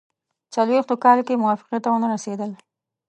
څلوېښتو کالو کې موافقې ته ونه رسېدل.